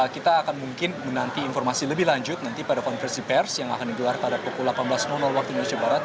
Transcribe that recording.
kita akan mungkin menanti informasi lebih lanjut nanti pada konversi pers yang akan digelar pada pukul delapan belas waktu indonesia barat